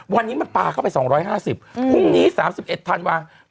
วันนี้มันปลาเข้าไป๒๕๐พรุ่งนี้๓๑ธันวาคม